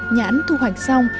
nhãn thu hoạch xong